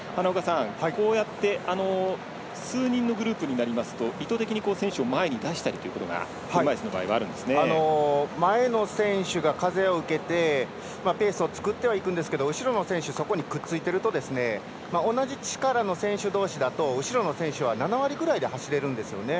こうやって、数人のグループになりますと意図的に選手を前に出したりというのが前の選手が風を受けてペースを作っていくんですけど後ろの選手が、そこにくっついていると同じ力の選手同士だと後ろの選手は７割くらいで走れるんですよね。